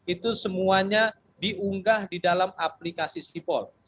itu semuanya diunggah di dalam aplikasi sipol